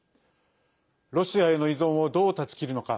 ロシアへの依存をどう断ち切るのか。